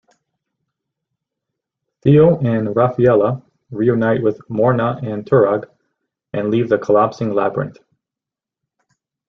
Theo and Raphaella reunite with Morna and Turag and leave the collapsing labyrinth.